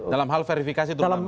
dalam hal verifikasi terutama